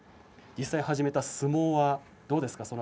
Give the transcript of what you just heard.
実際始めた相撲はどうですか。